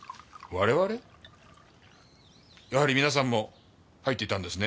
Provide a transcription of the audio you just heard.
やはり皆さんも入っていたんですね？